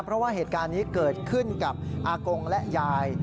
เพราะว่าเหตุการณ์นี้เกิดขึ้นกับอากงและยาย